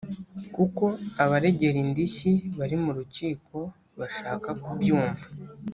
kuko abaregera indishyi bari mu rukiko bashaka kubyumva.